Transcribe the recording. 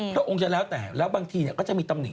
พระองค์จะแล้วแต่แล้วบางทีก็จะมีตำหนิ